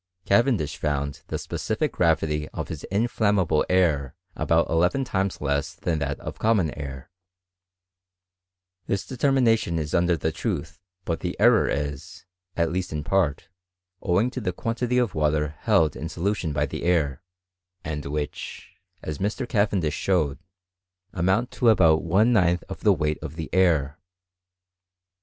' Cavendish found the specific gravity of his inOamnui^ ble air about eleven times leas than that of common afri This determination is under the truth ; but the error is, at' least in part, owing to the quantity of water held iB solution by the air, and which, as Mr. Cavendish showed 1 CHEAT BRITAIN. 341 •.mounled to about l 9th of the weight of the air.